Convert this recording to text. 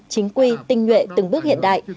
chính quy tinh nhuệ từng bước hiện đại